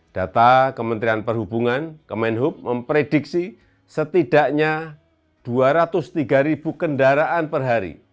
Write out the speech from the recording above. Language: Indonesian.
data kementerian perhubungan kemenhub memprediksi setidaknya dua ratus tiga kendaraan per hari